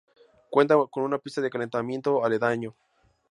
Cuenta con una pista de calentamiento aledaño.